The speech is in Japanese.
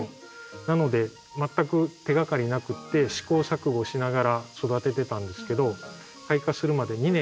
なので全く手がかりなくて試行錯誤しながら育ててたんですけどお！